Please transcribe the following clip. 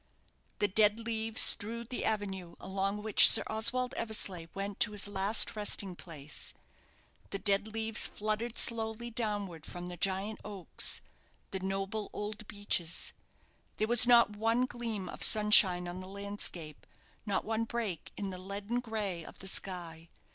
The dead leaves strewed the avenue along which Sir Oswald Eversleigh went to his last resting place; the dead leaves fluttered slowly downward from the giant oaks the noble old beeches; there was not one gleam of sunshine on the landscape, not one break in the leaden grey of the sky.